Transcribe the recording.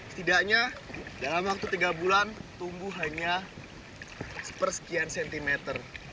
setidaknya dalam waktu tiga bulan tumbuh hanya sepersekian sentimeter